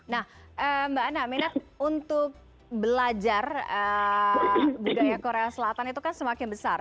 nah mbak anna minat untuk belajar budaya korea selatan itu kan semakin besar